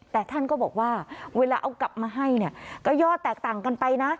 แต่ท่านก็บอกว่าเวลาเอากลับมาให้เนี่ยก็ยอดแตกต่างกันไปนะ